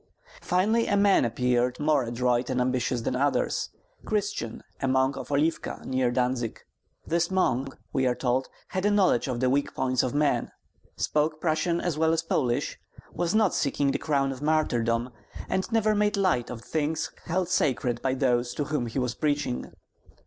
Finally, a man appeared more adroit and ambitious than others, Christian, a monk of Olivka, near Dantzig. This monk, we are told, had a knowledge of the weak points of men, spoke Prussian as well as Polish, was not seeking the crown of martyrdom, and never made light of things held sacred by those to whom he was preaching.